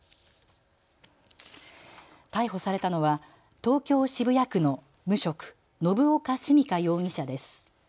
逮捕されたのは東京渋谷区の無職、信岡純佳容疑者です。